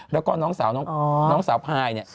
แล้วก็น้องสาวพาย